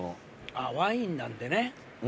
あっワインなんでね